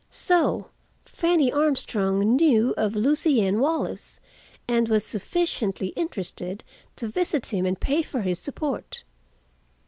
So Fanny Armstrong knew of Lucien Wallace, and was sufficiently interested to visit him and pay for his support.